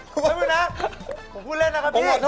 ขอพูดเล่นนะคะพี่